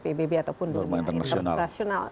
pbb ataupun dunia internasional